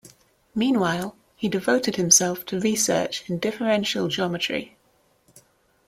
Meanwhile, he devoted himself to research in differential geometry.